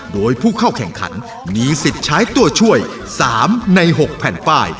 โดยผู้เข้าแข่งขันมีสิทธิ์ใช้ตัวช่วย๓ใน๖แผ่นป้าย